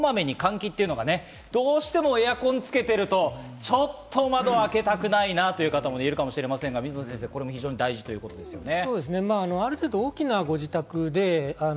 こまめに換気というのが、どうしてもエアコンをつけていると、ちょっと窓を開けたくないなっていう方もいるかもしれませんが、これは非常に大事ということですよね。